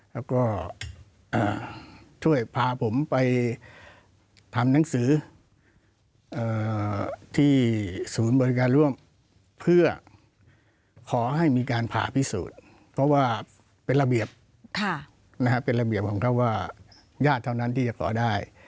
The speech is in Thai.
แล้วก็ช่วยพาผมไปทำหนังสือที่ศูนย์บริการร่วมเพื่อขอให้มีการผ่าพิสูจน์เพราะว่าเป็นระเบียบเป็นระเบียบของเขาว่าญาติเท่านั้นที่จะขอได้